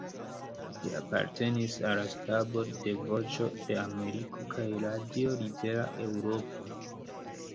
Li apartenis al stabo de Voĉo de Ameriko kaj Radio Libera Eŭropo.